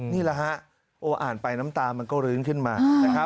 นี่ล่ะฮะอ่านไปน้ำตามันก็เริ้นขึ้นมา